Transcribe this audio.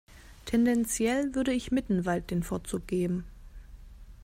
Tendenziell würde ich Mittenwald den Vorzug geben.